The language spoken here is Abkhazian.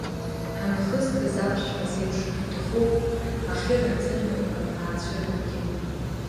Ҳамҩахызгаз аԥшәма зеиԥш уҭаху ахьы-раӡын маҭәа аацәыригеит.